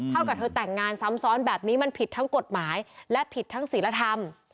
กับเธอแต่งงานซ้ำซ้อนแบบนี้มันผิดทั้งกฎหมายและผิดทั้งศิลธรรม